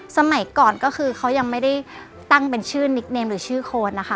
สมัยก่อนก็คือเขายังไม่ได้ตั้งเป็นชื่อนิกเนมหรือชื่อโค้ดนะคะ